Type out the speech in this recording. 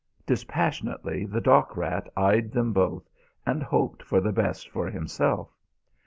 Dispassionately, the dock rat eyed them both and hoped for the best for himself.